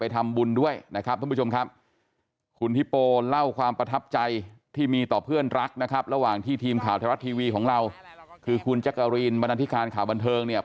ที่คุณแจ็กเกอรีนบรรณฐิการข่าวบันเทิงเนี่ย